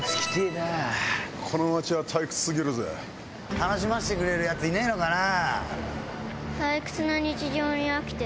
楽しませてくれるヤツいねえのかな？